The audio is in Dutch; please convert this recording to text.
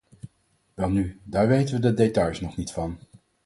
Welnu, daar weten we de details nog niet van.